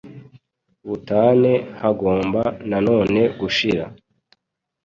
butane hagomba nanone gushira